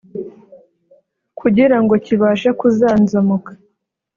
kugira ngo kibashe kuzanzamuka